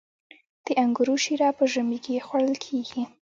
د انګورو شیره په ژمي کې خوړل کیږي.